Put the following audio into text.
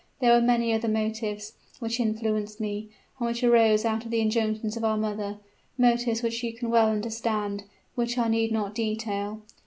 There were many other motives which influenced me, and which arose out of the injunctions of our mother, motives which you can well understand, and which I need not detail.